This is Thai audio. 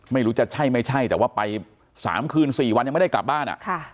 ไม่รู้จะใช่ไม่ใช่แต่ว่าไป๓คืน๔วันยังไม่ได้กลับบ้าน